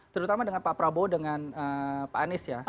terutama dengan pak prabowo dengan pak anies ya